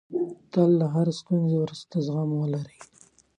تل له هرې ستونزې وروسته زغم ولرئ.